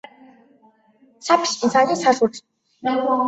边地兔儿风为菊科兔儿风属的植物。